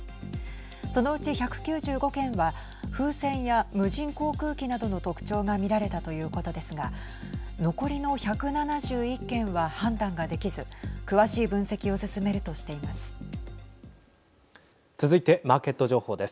そのうち１９５件は風船や無人航空機などの特徴が見られたということですが残りの１７１件は判断ができず詳しい分析を進めるとしています。